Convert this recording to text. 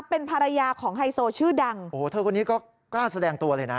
เป็นภรรยาของไฮโซชื่อดังโอ้โหเธอคนนี้ก็กล้าแสดงตัวเลยนะ